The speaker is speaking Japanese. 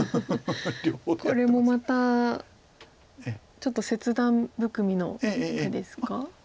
これもまたちょっと切断含みの手ですか？